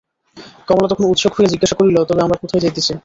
কমলা তখন উৎসুক হইয়া জিজ্ঞাসা করিল, তবে আমরা কোথায় যাইতেছি?